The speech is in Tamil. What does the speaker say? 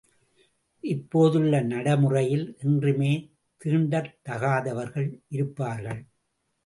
இப்போதுள்ள நடை முறையில் என்றுமே தீண்டத்தகாதவர்கள் இருப்பார்கள்.